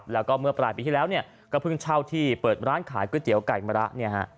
แล้วก็เมื่อปลายปีที่แล้วก็เพิ่งเช่าที่เปิดร้านขายก๋วยเตี๋ยวไก่มะระเนี่ยฮะ